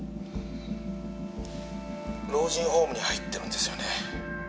「老人ホームに入ってるんですよね？」